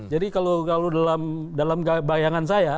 jadi kalau dalam bayangan saya